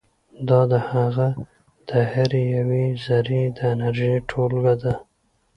دا د هغه د هرې یوې ذرې د انرژي ټولګه ده.